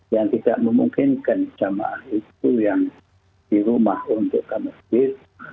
yang tidak memungkinkan jamaah itu yang di rumah untuk kami berada